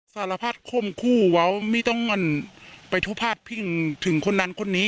สารภาพคมคู่ว่าไม่ต้องไปทุพาดพิงถึงคนนั้นคนนี้